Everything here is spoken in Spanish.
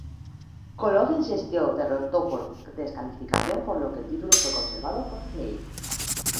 Koloff instinto derrotó por descalificación por lo que el título fue conservado por Flair.